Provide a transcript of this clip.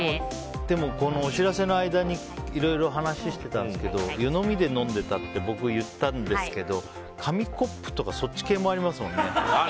でも、お知らせの間にいろいろ話してたんですけど湯飲みで飲んでたって僕、言ったんですけど紙コップとかそっち系もありますもんね。